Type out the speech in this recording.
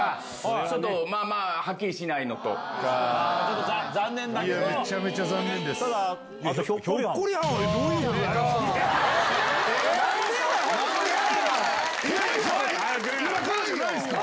ちょっと、まあまあはっきりしなちょっと残念だけど。